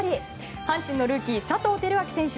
阪神のルーキー、佐藤輝明選手